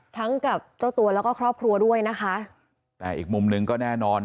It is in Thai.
กับเจ้าตัวแล้วก็ครอบครัวด้วยนะคะแต่อีกมุมหนึ่งก็แน่นอน